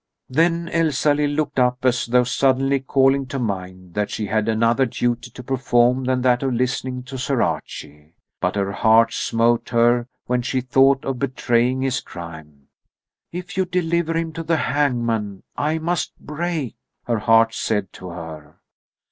Then Elsalill looked up, as though suddenly calling to mind that she had another duty to perform than that of listening to Sir Archie. But her heart smote her when she thought of betraying his crime. "If you deliver him to the hangman, I must break," her heart said to her.